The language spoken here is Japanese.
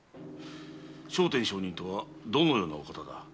聖天上人とはどのようなお方だ。